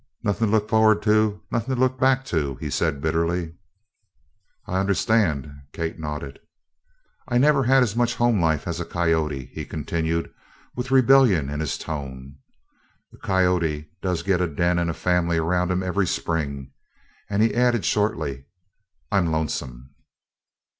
"Nothin' to look forward to nothin' to look back to," he said bitterly. "I understand," Kate nodded. "I never had as much home life as a coyote," he continued with rebellion in his tone. "A coyote does git a den and a family around him every spring." And he added shortly, "I'm lonesome."